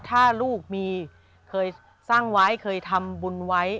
ถ้าลูกมีเคยสร้างไว้เคยทำบุญไว้